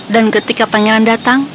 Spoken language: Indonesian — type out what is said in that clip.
dan ketika pangeran datang